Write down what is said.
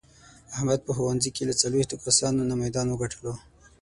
احمد په ښوونځې کې له څلوېښتو کسانو نه میدان و ګټلو.